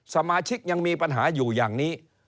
สมาชิกยังมีปัญหาอยู่อย่างนี้